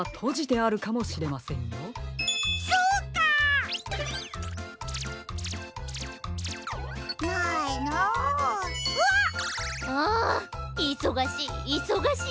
あいそがしいいそがしい。